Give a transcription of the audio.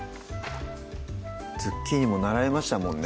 ズッキーニも習いましたもんね